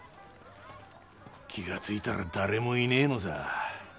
気がついたら誰もいねえのさ。